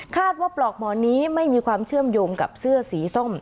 ว่าปลอกหมอนนี้ไม่มีความเชื่อมโยงกับเสื้อสีส้ม